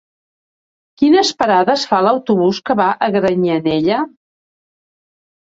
Quines parades fa l'autobús que va a Granyanella?